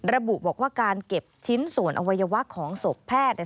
ระบุบอกว่าการเก็บชิ้นส่วนอวัยวะของศพแพทย์